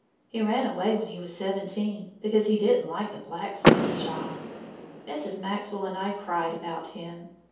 He ran away when he was seventeen because he didn't like the blacksmith's shop. Mrs. Maxwell and I cried about him.